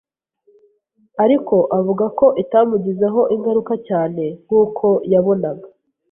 ariko avuga ko itamugizeho ingaruka cyane nk’uko yabonaga